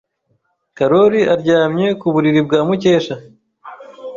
Karoli aryamye ku buriri bwa Mukesha.